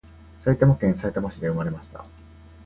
埼玉県さいたま市で産まれました